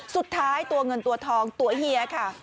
สุดท้ายตัวเงินตัวทองตัวเฮียค่ะ